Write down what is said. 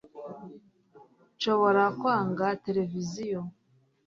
nshobora kwanga televiziyo